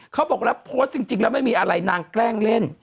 เขาบอกแล้วโพสต์จริงแล้วไม่มีอะไรนางแกล้งเล่น